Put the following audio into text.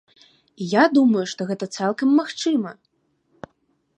І я думаю, што гэта цалкам магчыма.